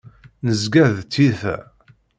Nezga d tiyita.